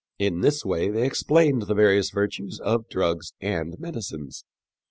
In this way they explained the various virtues of drugs and medicines.